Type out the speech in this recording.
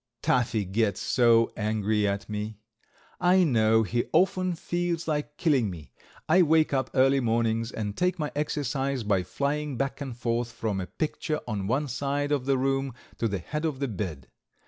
Taffy gets so angry at me. I know he often feels like killing me. I wake up early mornings, and take my exercise by flying back and forth from a picture on one side of the room to the head of the bed.